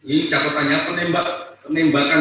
ini catatannya penembakan